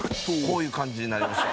こういう感じになりました。